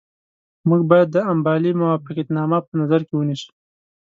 موږ باید د امبالې موافقتنامه په نظر کې ونیسو.